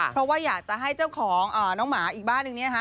เพราะว่าอยากจะให้เจ้าของน้องหมาอีกบ้านนึงเนี่ยฮะ